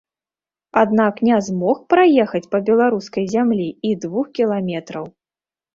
Аднак не змог праехаць па беларускай зямлі і двух кіламетраў.